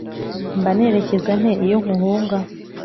mba nekereza nte iyo nkuhunga?